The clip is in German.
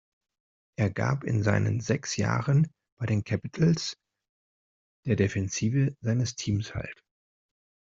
Er gab in seinen sechs Jahren bei den Capitals der Defensive seines Teams halt.